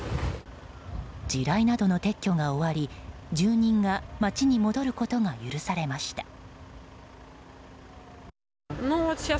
地雷などの撤去が終わり住人が街に戻ることが許されました。